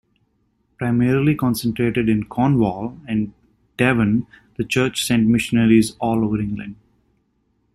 Primarily concentrated in Cornwall and Devon, the church sent missionaries all over England.